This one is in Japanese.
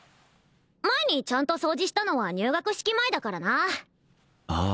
前にちゃんと掃除したのは入学式前だからなああ